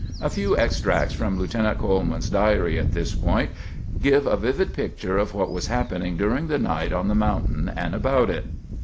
A few extracts from Lieutenant Coleman's diary at this point give a vivid picture of what was happening during the night on the mountain and about it.